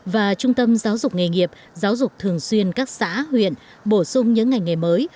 và trung tâm giáo dục nghề nghiệp giáo dục thường xuyên các xã huyện bổ sung những ngành nghề mới